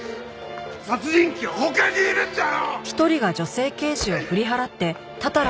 殺人鬼は他にいるんだよ！